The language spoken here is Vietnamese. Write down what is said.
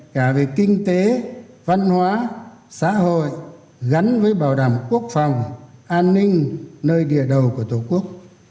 cả về kinh tế văn hóa xã hội gắn với bảo đảm quốc phòng an ninh nơi địa đầu của tổ quốc